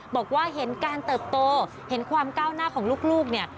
บอกว่าเห็นการเติบโตเห็นความก้าวหน้าของลูกเนี่ย